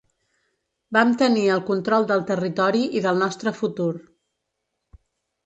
Vam tenir el control del territori i del nostre futur.